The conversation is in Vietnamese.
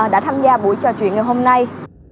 đã tham gia buổi trò chuyện ngày hôm nay